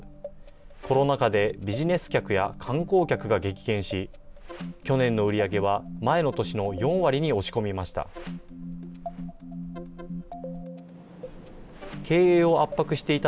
コロナ禍でビジネス客や観光客が激減し、去年の売り上げは前の年の４割に落ち込みました。